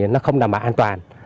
nó không đảm bảo an toàn